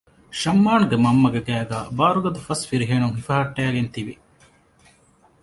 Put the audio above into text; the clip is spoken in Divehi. ޝަމްއާންގެ މަންމަގެ ގައިގައި ބާރުގަދަ ފަސް ފިރިހެނުން ހިފަހައްޓައިގެން ތިވި